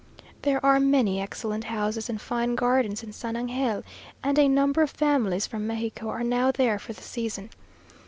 There are many excellent houses and fine gardens in San Angel, and a number of families from Mexico are now there for the season.